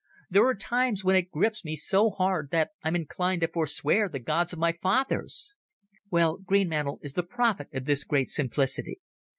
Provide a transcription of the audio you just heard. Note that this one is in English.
There are times when it grips me so hard that I'm inclined to forswear the gods of my fathers! "Well, Greenmantle is the prophet of this great simplicity.